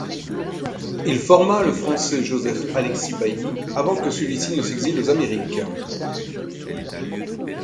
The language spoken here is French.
Il forma le français Joseph Alexis Bailly, avant que celui-ci ne s'exile aux Amériques.